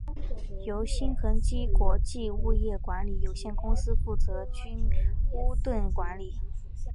由新恒基国际物业管理有限公司负责屋邨管理。